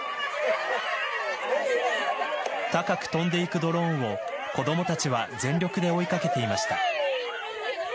高く飛んでいくドローンを子どもたちは全力で追いかけていました。